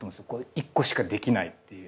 １個しかできないって。